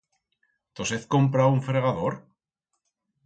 Tos hez comprau un fregador?